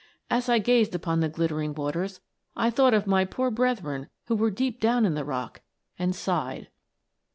As I gazed upon the glittering waters I thought of my poor brethren who were deep down in the rock, and sighed